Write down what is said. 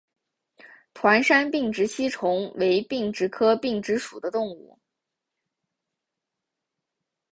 团山并殖吸虫为并殖科并殖属的动物。